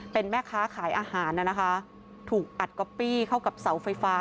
เป็นแม่ค้าขายอาหารนะคะถูกอัดก๊อปปี้เข้ากับเสาไฟฟ้า